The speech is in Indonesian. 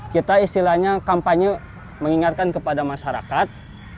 kita istilahnya kampanye mengingatkan kepada masyarakat